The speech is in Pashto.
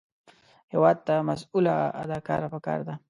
هېواد ته مسؤله اداره پکار ده